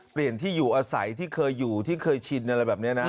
เปลี่ยนที่อยู่อาศัยที่เคยอยู่ที่เคยชินอะไรแบบนี้นะ